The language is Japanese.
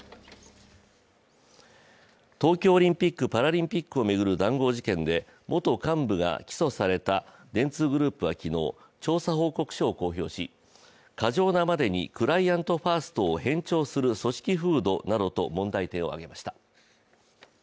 東京オリンピック・パラリンピックを巡る談合事件で元幹部が起訴された電通グループは昨日、調査報告書を公表し、過剰なまでにクライアント・ファーストを偏重する組織風土などと問題点を挙げました。